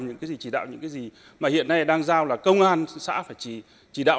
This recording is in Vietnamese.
những gì chỉ đạo những gì mà hiện nay đang giao là công an xã phải chỉ đạo